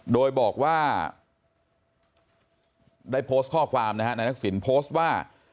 โดยบอกว่าได้โพสต์ข้อความนะฮะนายทักษิณโพสต์ว่า